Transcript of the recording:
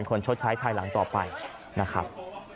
เป็นคนชดใช้ภายหลังต่อไปนะครับ